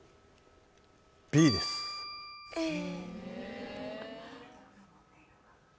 Ｂですえっ